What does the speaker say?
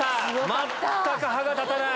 全く歯が立たない。